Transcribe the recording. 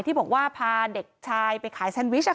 ที่บอกว่าพาเด็กชายไปขายแซนวิช